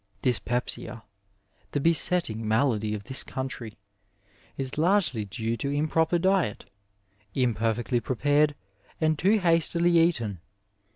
Dyspepsia, the besetting malady of Ihis country, is largely due to improper diet, imperfectly pxe pared and too hastily eaten.